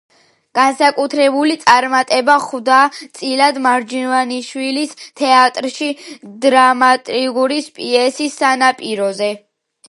განსაკუთრებული წარმატება ხვდა წილად მარჯანიშვილის თეატრში დრამატურგის პიესას „სანაპიროზე“.